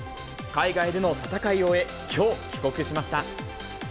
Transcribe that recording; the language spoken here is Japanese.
海外での戦いを終え、きょう帰国しました。